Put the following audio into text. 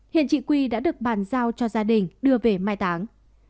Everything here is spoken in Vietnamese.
hiện chị quy đã được bàn giao cho gia đình đưa về mai táng